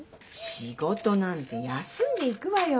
仕事なんて休んで行くわよ。